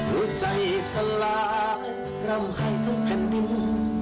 รู้ใจสลายร่ำให้ทั้งแผ่นนี้